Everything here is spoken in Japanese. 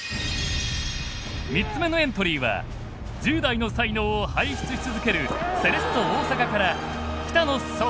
３つ目のエントリーは１０代の才能を輩出し続けるセレッソ大阪から北野颯太。